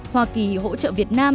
hoa kỳ hỗ trợ việt nam